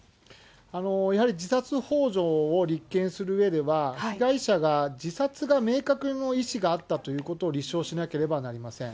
やはり自殺ほう助を立件するうえでは、被害者が自殺が明確の意思があったということを立証しなければなりません。